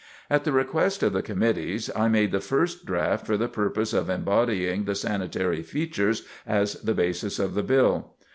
At the request of the Committees I made the first draft for the purpose of embodying the sanitary features as the basis of the bill.